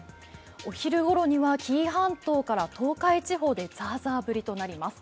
お昼頃には紀伊半島から東海地方でザーザー降りとなります。